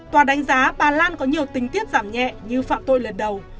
tòa đánh giá bà lan có nhiều tình tiết giảm nhẹ như phạm tội lần đầu